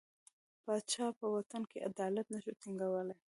پاچا په وطن کې عدالت نه شو ټینګولای.